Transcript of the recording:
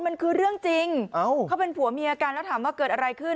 มันคือเรื่องจริงเขาเป็นผัวเมียกันแล้วถามว่าเกิดอะไรขึ้น